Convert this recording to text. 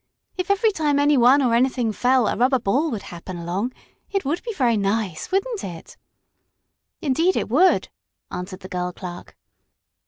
If every time any one or anything fell a rubber ball would happen along it would be very nice, wouldn't it?" "Indeed it would," answered the girl clerk.